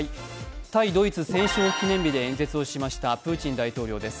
対ドイツ戦勝記念日で演説をしましたプーチン大統領です。